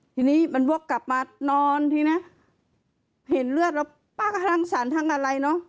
ทีนี้มันวกกลับมานอนทีนี้เห็นเลือดแล้วป้าก็ทั้งสารทั้งอะไรเนอะ